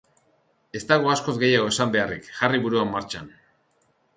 Ez dago askoz gehiago esan beharrik, jarri burua martxan.